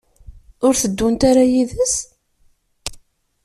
Ur tteddun ara yid-s?